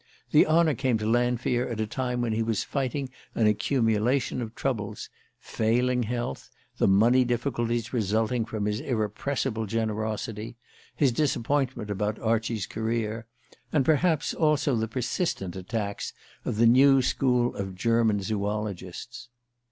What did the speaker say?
The honour came to Lanfear at a time when he was fighting an accumulation of troubles: failing health, the money difficulties resulting from his irrepressible generosity, his disappointment about Archie's career, and perhaps also the persistent attacks of the new school of German zoologists.